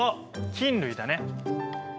菌類だね。